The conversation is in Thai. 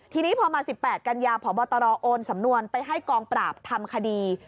ทีนี้พอมา๑๘กันยาพบตรโอนสำนวนไปให้กองปราบทำคดี